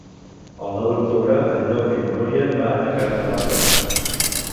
El nou d'octubre en Llop i na Núria van a Cases Altes.